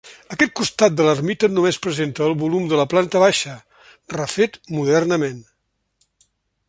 Aquest costat de l'ermita només presenta el volum de la planta baixa, refet modernament.